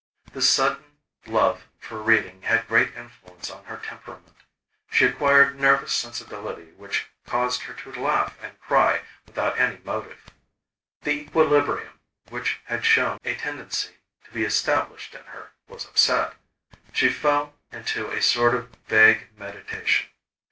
This sudden love for reading had great influence on her temperament. She acquired nervous sensibility which caused her to laugh and cry without any motive. The equilibrium which had shown a tendency to be established in her, was upset. She fell into a sort of vague meditation.